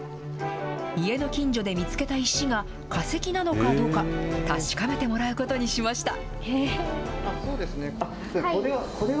家の近所で見つけた石が化石なのかどうか、確かめてもらうことにしました。